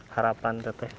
harapan kak teh